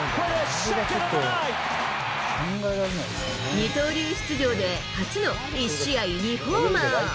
二刀流出場で初の１試合２ホーマー。